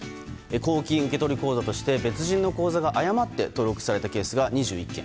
公金受取口座として別人の口座が誤って登録されたケースが２１件。